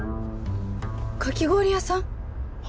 かき氷屋さん。は？